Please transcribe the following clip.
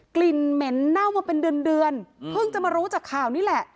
กลิ่นเหม็นเน่ามาเป็นเดือนเดือนเพิ่งจะมารู้จากข่าวนี่แหละ